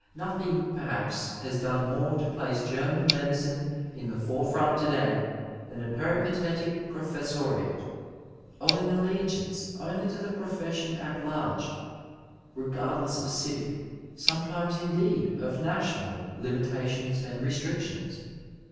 Nothing, perhaps, has done more to place Qerman medicine in the forefront to day than a peripatetic professoriate, owing allegiance only to the profession at large, regardless of civic, sometimes, indeed, of national limitations and restrictions.